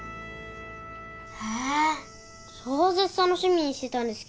え超絶楽しみにしてたんですけど。